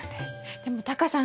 でもタカさん